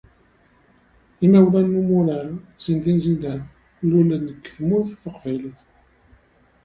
Imawlan n umurar Zineddine Zidane lulen-d deg Tmurt Taqbaylit.